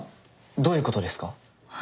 どういうことですか？